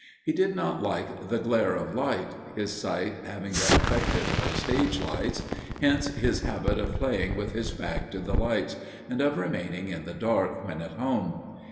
He did not like the glare of light his sight having been affected by stage lights hence his habit of playing with his back to the lights, and of remaining in the dark when at home.